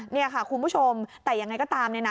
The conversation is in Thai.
นี่ค่ะคุณผู้ชมแต่ยังไงก็ตามเนี่ยนะ